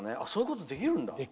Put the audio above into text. そういうことができるんだ。